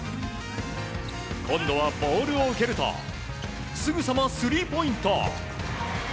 今度はボールを受けるとすぐさまスリーポイント。